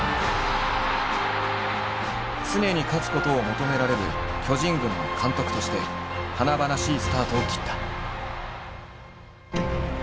常に勝つことを求められる巨人軍の監督として華々しいスタートを切った。